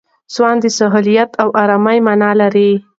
سوان د سهولت او آرامۍ مانا لري.